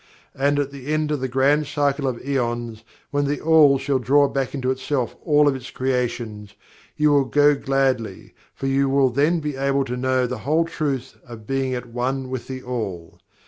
And at the end of the Grand Cycle of Aeons, when THE ALL shall draw back into itself all of its creations you will go gladly for you will then be able to know the Whole Truth of being At One with THE ALL.